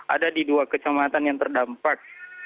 ada di dua kecamatan yang terdampak